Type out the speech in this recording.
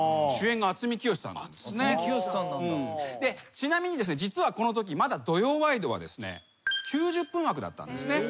ちなみに実はこのときまだ『土曜ワイド』はですね９０分枠だったんですね。